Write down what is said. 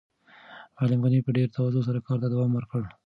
معلم غني په ډېره تواضع سره کار ته دوام ورکړ.